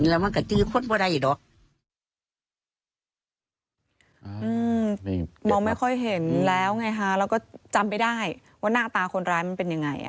เราก็จำไม่ได้ว่าหน้าตาคนร้ายเป็นยังไงหรอ